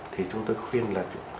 thì chúng ta khuyên là